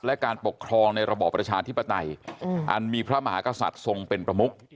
และการปกครองในระบอบประชาธิปไตยอันมีพระมหากษัตริย์ทรงเป็นประมุก